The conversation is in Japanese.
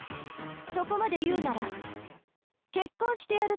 そこまで言うなら結婚してやるっちゃ。